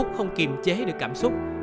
một phút không kiềm chế được cảm xúc